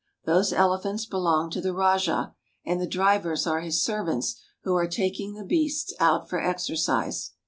Those elephants be long to the rajah, and the drivers are his servants who are taking the beasts out for exercise.